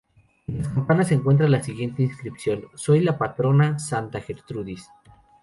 En las campanas se encuentra la siguiente inscripción: "Soy de la Patrona Santa Gertrudis".